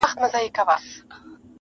o او احساسات يې خوځېږي ډېر,